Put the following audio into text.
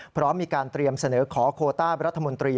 พร้อมมีการเตรียมเสนอขอโคต้ารัฐมนตรี